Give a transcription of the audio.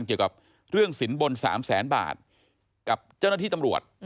เกี่ยวกับเรื่องสินบน๓แสนบาทกับเจ้าหน้าที่ตำรวจ